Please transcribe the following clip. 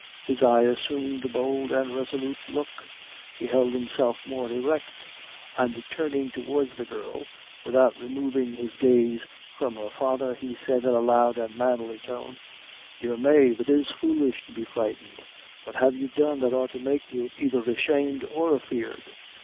His eye assumed a bold and resolute look he held himself more erect and, turning towards the girl, without removing his gaze from her father, he said in a loud and manly tone "Dear Mave, it is foolish to be frightened. What have you done that ought to make you aither ashamed or afeared?